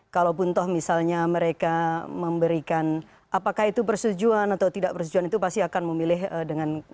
kalaupun toh misalnya mereka memberikan apakah itu persetujuan atau tidak persetujuan itu pasti akan memilih dengan